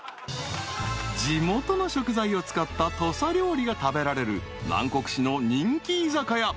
［地元の食材を使った土佐料理が食べられる南国市の人気居酒屋］